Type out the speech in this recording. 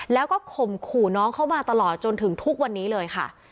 แล้วก็ข่มขู่น้องเข้ามาตลอดจนถึงทุกวันนี้เลยค่ะ